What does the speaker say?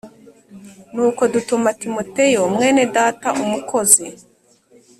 Nuko dutuma Timoteyo mwene Data umukozi